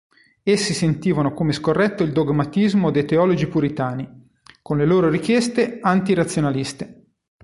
Essi sentivano come scorretto il dogmatismo dei teologi puritani, con le loro richieste anti-razionaliste.